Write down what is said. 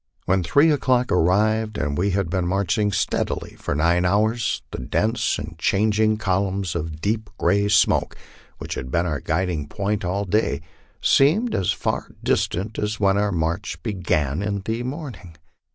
When three o'clock arrived, and we had been marching steadily for nine hours, the dense and changing columns of deep gray smoke, which MY LIFE ON THE PLAINS. 233 had been our guiding point all day, seemed as far distant as when our march began in the morning.